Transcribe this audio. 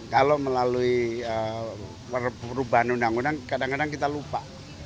kalau melalui perubahan undang undang kadang kadang kita lupa